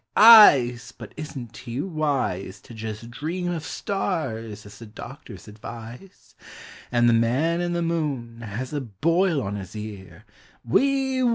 Eyes! But isn't he wise — To jes' dream of stars, as the doctors advise? " And the Man in the Moon has a boil on his ear — Whee!